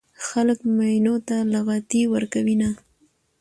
خلک ميينو ته لغتې ورکوينه